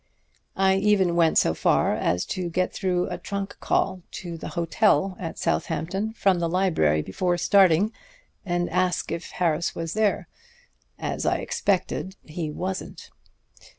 I even went so far as to get through a trunk call to the hotel at Southampton from the library before starting, and ask if Harris was there. As I expected, he wasn't."